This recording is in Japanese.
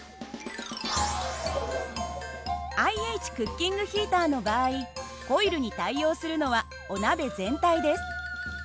ＩＨクッキングヒーターの場合コイルに対応するのはお鍋全体です。